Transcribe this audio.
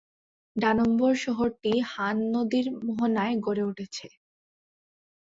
ডানম্বর শহরটি হান নদীর মহনায় গড়ে উঠেছে।